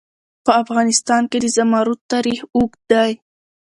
په افغانستان کې د زمرد تاریخ اوږد دی.